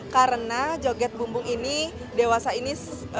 karena joget bumbung ini dewasa ini